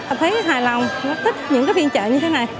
tôi thấy hài lòng rất thích những cái phiên chợ như thế này